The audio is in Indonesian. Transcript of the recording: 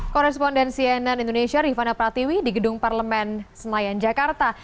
korespondensi nn indonesia rifana pratiwi di gedung parlemen senayan jakarta